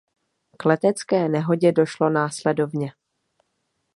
K letecké nehodě došlo následovně.